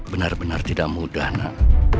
benar benar tidak mudah nak